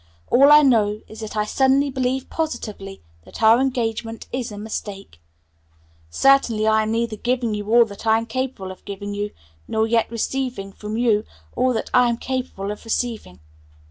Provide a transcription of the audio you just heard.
All I know is that I suddenly believe positively that our engagement is a mistake. Certainly I am neither giving you all that I am capable of giving you, nor yet receiving from you all that I am capable of receiving.